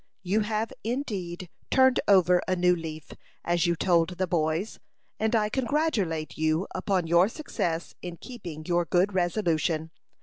You have, indeed, turned over a new leaf, as you told the boys, and I congratulate you upon your success in keeping your good resolution.